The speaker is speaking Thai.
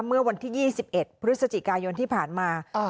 เมื่อวันที่ยี่สิบเอ็ดพฤศจิกายนที่ผ่านมาอ่า